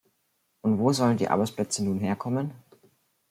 Und wo sollen die Arbeitsplätze nun herkommen?